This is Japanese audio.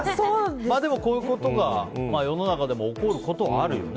でも、こういうことが世の中でも起こることはあるよね。